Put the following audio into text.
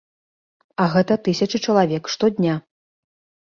А гэта тысячы чалавек штодня.